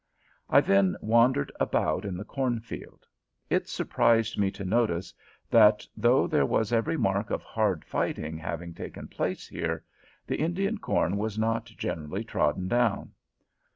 I then wandered about in the cornfield. It surprised me to notice, that, though there was every mark of hard fighting having taken place here, the Indian corn was not generally trodden down.